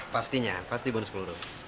pastinya pasti bonus peluru